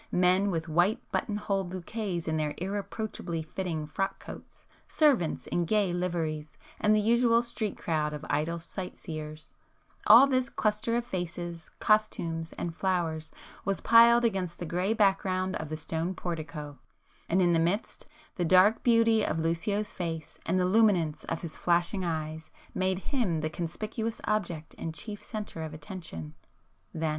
men with white button hole bouquets in their irreproachably fitting frock coats,—servants in gay liveries, and the usual street crowd of idle sight seers;—all this cluster of faces, costumes and flowers, was piled against the grey background of the stone portico,—and in the midst, the dark beauty of Lucio's face and the luminance of his flashing eyes made him the conspicuous object and chief centre of attraction, [p 299] ... then